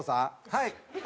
はい。